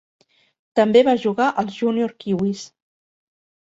També va jugar als Junior Kiwis.